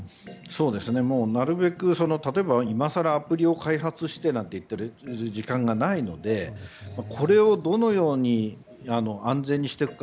なるべく例えば今更アプリを開発してという時間がないのでこれをどのように安全にしていくか。